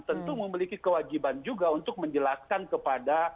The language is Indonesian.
tentu memiliki kewajiban juga untuk menjelaskan kepada